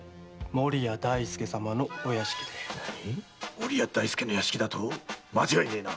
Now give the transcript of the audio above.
守屋大助の屋敷だと⁉間違いねえな！